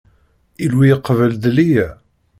Illu iqbel-d Liya.